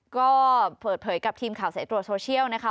ก็เปิดเผยกับทีมข่าวสายตรวจโซเชียลนะคะ